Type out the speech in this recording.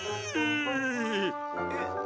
えっ？